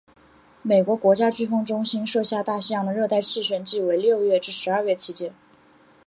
美国国家飓风中心设下大西洋的热带气旋季为六月至十二月期间。